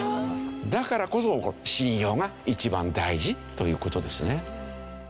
だからこそ信用が一番大事という事ですね。